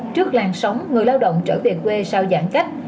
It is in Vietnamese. trước làn sóng người lao động trở về quê sau giãn cách